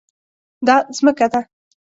دا ځمکه ده